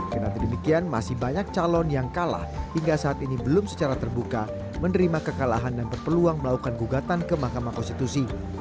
kena demikian masih banyak calon yang kalah hingga saat ini belum secara terbuka menerima kekalahan dan berpeluang melakukan gugatan ke mahkamah konstitusi